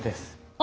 あ！